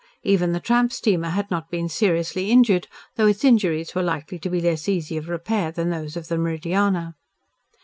Even the tramp steamer had not been seriously injured, though its injuries were likely to be less easy of repair than those of the Meridiana.